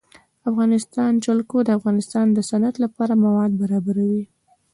د افغانستان جلکو د افغانستان د صنعت لپاره مواد برابروي.